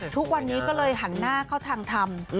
ทุกวันนี้ก็เลยหันหน้าเข้าทางธรรม